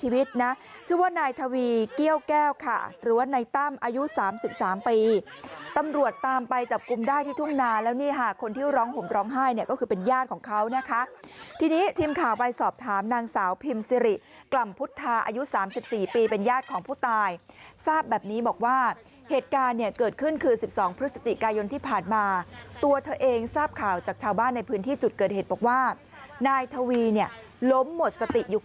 วิทย์นะชื่อว่านายทวีเกี้ยวแก้วค่ะหรือว่าในตั้มอายุสามสิบสามปีตำรวจตามไปจับกุมได้ที่ทุ่มนาแล้วนี่ค่ะคนที่ร้องห่มร้องไห้เนี่ยก็คือเป็นญาติของเขานะคะทีนี้ทีมข่าวไปสอบถามนางสาวพิมสิริกล่ำพุทธาอายุสามสิบสี่ปีเป็นญาติของผู้ตายทราบแบบนี้บอกว่าเหตุการณ์เนี่ยเกิดขึ้นคือส